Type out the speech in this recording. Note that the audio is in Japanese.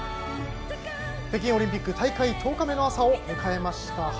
北京オリンピック大会１０日目の朝を迎えました。